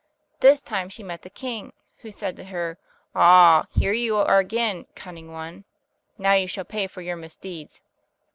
This time she met the king, who said to her, "Ah, here you are again, cunning one! Now you shall pay for your misdeeds."